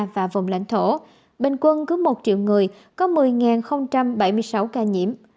và vùng lãnh thổ bình quân cứ một triệu người có một mươi bảy mươi sáu ca nhiễm